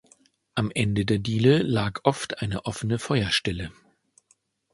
Am Ende der Diele lag oft eine offene Feuerstelle.